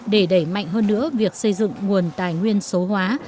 để đẩy mạnh hơn nữa việc xây dựng nguồn tài nguyên số hóa